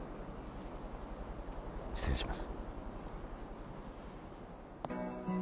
失礼します。